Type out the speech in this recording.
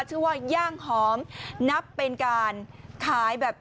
ชื่อว่าย่างหอมนับเป็นการขายแบบ